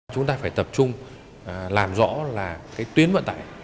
chúng ta phải tập trung làm rõ là cái tuyến vận tải